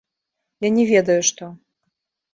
Я не ведаю што.